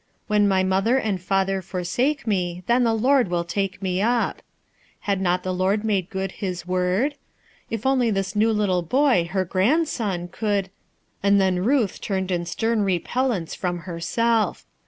"When my father and mother forsake me, then the Lord will take me up/' Had not the Lord made good this word? If only this little new boy, her grandson, could — And then Ruth turned in stern rcpellence from herself.